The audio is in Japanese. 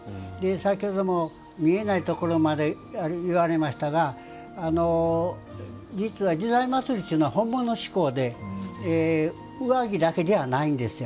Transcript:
先ほども、見えないところまでといわれましたが、実は「時代祭」っていうのは本物志向でうわべだけじゃないです。